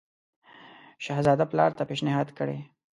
شهزاده پلار ته پېشنهاد کړی.